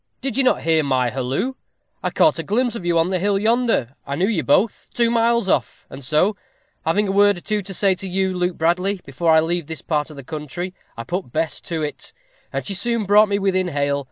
"Did you not hear my halloo? I caught a glimpse of you on the hill yonder. I knew you both, two miles off; and so, having a word or two to say to you, Luke Bradley, before I leave this part of the country, I put Bess to it, and she soon brought me within hail.